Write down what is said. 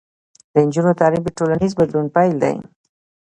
د نجونو تعلیم د ټولنیز بدلون پیل دی.